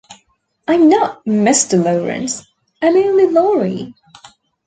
I'm not Mr. Laurence, I'm only Laurie.